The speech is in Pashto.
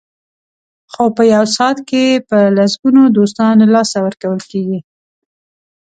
خو په یو ساعت کې په لسګونو دوستان له لاسه ورکول کېږي.